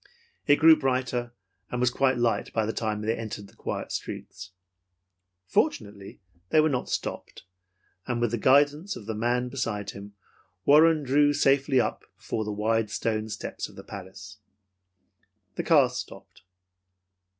It grew brighter, and was quite light when they entered the quiet streets. Fortunately they were not stopped, and with the guidance of the man beside him Warren drew safely up before the wide stone steps of the palace. The car stopped.